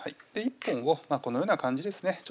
１本をこのような感じですね